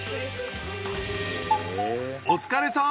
お疲れさん！